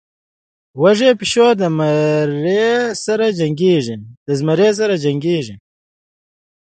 وږى پيشو د زمري سره جنکېږي.